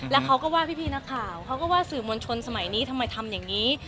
แล้วเขาก็ว่าพี่นักข่าวเขาก็ว่าสื่อมวลชนสมัยนี้ทำไมทำอย่างนี้